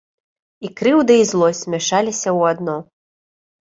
І крыўда і злосць змяшаліся ў адно.